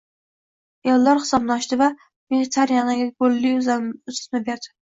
Eldor hisobni ochdi va Mxitaryanga golli uzatma berdi